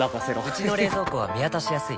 うちの冷蔵庫は見渡しやすい